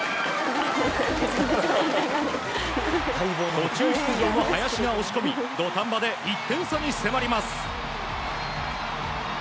途中出場の林が押し込み土壇場で１点差に迫ります。